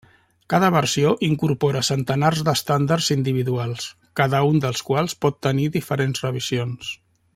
Cada versió incorpora centenars d’estàndards individuals, cada un dels quals pot tenir diferents revisions.